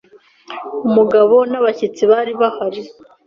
umugabo n’abashyitsi. bari bahari